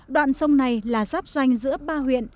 đoạn sông này là giáp ranh giữa ba huyện